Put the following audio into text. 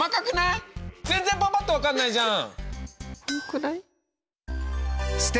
全然パパっと分かんないじゃん！